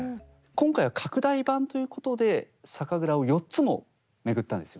今回は拡大版ということで酒蔵を４つも巡ったんですよね。